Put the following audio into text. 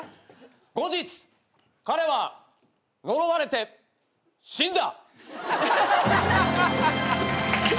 ［後日彼は呪われて死んだ］